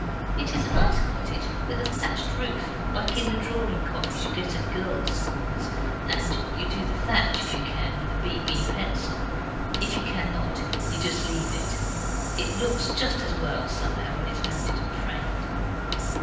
It is a nice cottage, with a thatched roof, like in the drawing copies you get at girls' schools, and you do the thatch if you can with a B.B. pencil. If you cannot, you just leave it. It looks just as well, somehow, when it is mounted and framed.